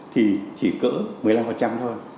thì chỉ cỡ một mươi năm thôi